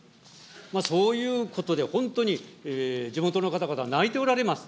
そういうことで、本当に地元の方々は泣いておられます。